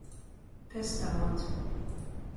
Pestavuot.